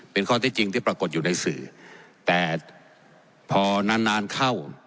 เป็นข้อที่จริงที่ปรากฏอยู่ในสื่อแต่พอนานนานเข้า